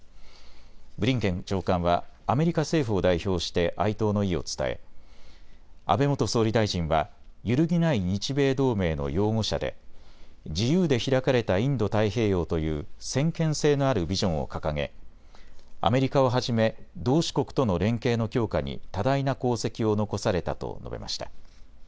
ブリンケン長官はアメリカ政府を代表して哀悼の意を伝え安倍元総理大臣は揺るぎない日米同盟の擁護者で自由で開かれたインド太平洋という先見性のあるビジョンを掲げ、アメリカをはじめ同志国との連携の強化に多大な功績を残されたと述べました。